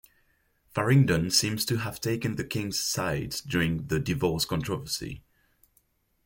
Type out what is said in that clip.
Faringdon seems to have taken the king's side during the divorce controversy.